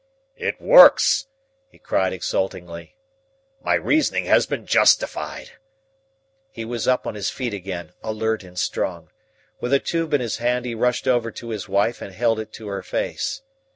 "It works!" he cried exultantly. "My reasoning has been justified!" He was up on his feet again, alert and strong. With a tube in his hand he rushed over to his wife and held it to her face.